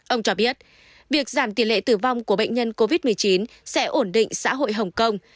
ông cho biết việc giảm tỷ lệ tử vong của bệnh nhân covid một mươi chín sẽ ổn định xã hội hồng kông